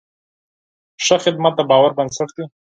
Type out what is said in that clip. ښه خدمت د باور بنسټ دی.